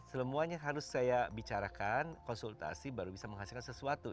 semuanya harus saya bicarakan konsultasi baru bisa menghasilkan sesuatu